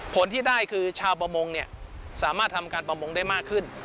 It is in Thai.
ผลที่ได้คือชาวประมงสามารถทำการประมงได้มากขึ้น